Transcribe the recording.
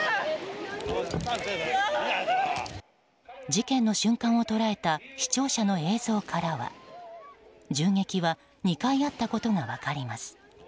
事件の瞬間を捉えた視聴者の映像からは銃撃は２回あったことが分かります。